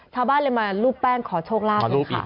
ชาวบ้านเลยมารูปแป้งขอโชคลาภดูค่ะ